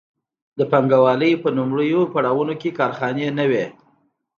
د پانګوالۍ په لومړیو پړاوونو کې کارخانې نه وې.